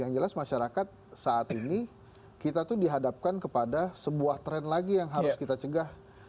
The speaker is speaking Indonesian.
yang jelas masyarakat saat ini kita tuh dihadapkan kepada sebuah tren lagi yang harus kita cegah